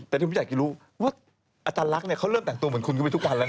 แต่ที่ผมอยากจะรู้ว่าอาจารย์ลักษณ์เขาเริ่มแต่งตัวเหมือนคุณก็ไปทุกวันแล้วนะ